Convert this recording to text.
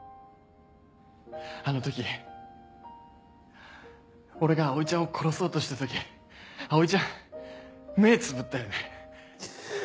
あの時俺が葵ちゃんを殺そうとした時葵ちゃん目つぶったよね。